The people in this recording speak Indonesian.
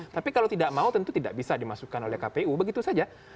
tapi kalau tidak mau tentu tidak bisa dimasukkan oleh kpu begitu saja